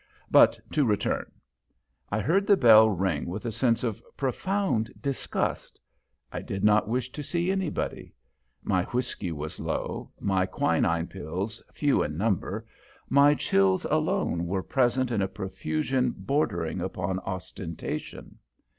But to return. I heard the bell ring with a sense of profound disgust. I did not wish to see anybody. My whiskey was low, my quinine pills few in number; my chills alone were present in a profusion bordering upon ostentation.